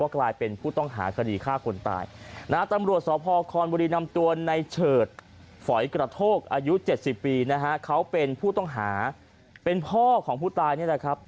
เขาเป็นผู้ต้องหาเป็นพ่อของผู้ตายนี่แหละครับ